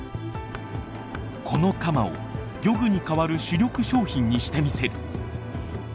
このカマを漁具に代わる主力商品にしてみせる。